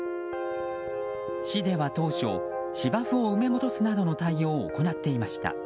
市では当初芝生を埋め戻すなどの対応を行っていました。